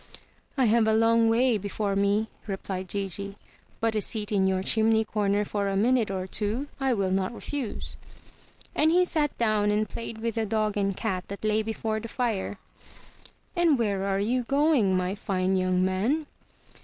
"I have a long way before me," replied Gigi, "but a seat in your chimney comer for a minute or two I will not refuse." And he sat down and played with the dog and cat that lay before the fire. "And where are you going, my fine young man?"